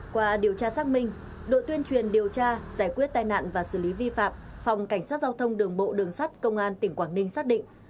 qua điều tra xác minh đội tuyên truyền điều tra giải quyết tai nạn và xử lý vi phạm phòng cảnh sát giao thông đường bộ đường sắt công an tỉnh quảng ninh xác định